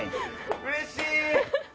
うれしい。